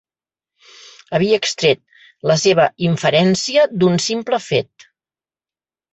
Havia extret la seva inferència d'un simple fet.